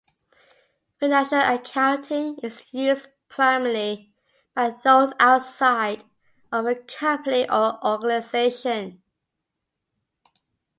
Financial accounting is used primarily by those outside of a company or organization.